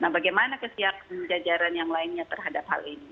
bagaimana kesiapkan jajaran yang lainnya terhadap hal ini